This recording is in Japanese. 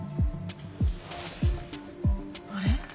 あれ？